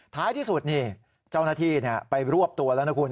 ท้ายที่สุดนี่เจ้าหน้าที่ไปรวบตัวแล้วนะคุณ